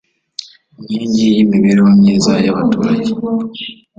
inkingi y imibereho myiza y abaturage